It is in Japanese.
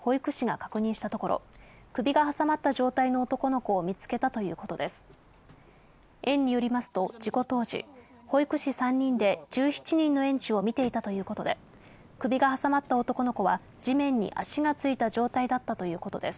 園によりますと、事故当時、保育士３人で１７人の園児を見ていたということで、首が挟まった男の子は、地面に足がついた状態だったということです。